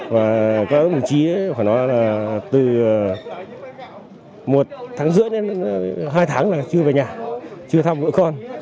và các đồng chí khoảng đó là từ một tháng rưỡi đến hai tháng là chưa về nhà chưa thăm mỗi con